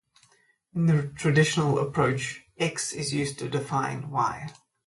In the traditional approach, X is used to define Y.